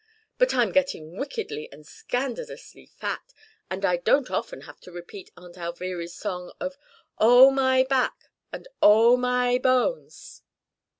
"But I'm getting wickedly and scandalously fat. And I don't often have to repeat Aunt Alviry's song of 'Oh, my back and oh, my bones!'"